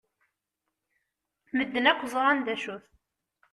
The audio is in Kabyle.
Medden akk ẓran d acu-t.